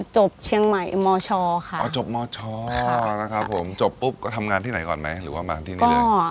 จบเชียงใหม่มชค่ะอ๋อจบมชนะครับผมจบปุ๊บก็ทำงานที่ไหนก่อนไหมหรือว่ามาที่นี่เลย